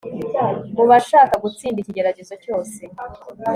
mubasha gutsinda ikigeragezo cyose